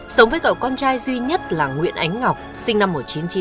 sống với cậu con trai duy nhất là nguyễn ánh ngọc sinh năm một nghìn chín trăm chín mươi